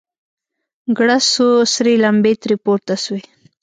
گړز سو سرې لمبې ترې پورته سوې.